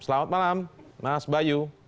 selamat malam mas bayu